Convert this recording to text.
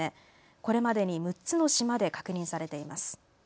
これまでに６つの島で確認されています。